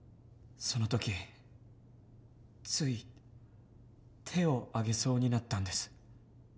その時つい手を上げそうになったんです。